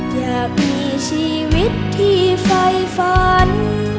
อยากมีชีวิตที่ไฟฝัน